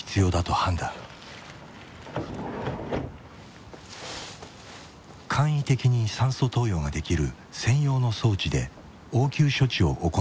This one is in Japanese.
簡易的に酸素投与ができる専用の装置で応急処置を行うことを決めた。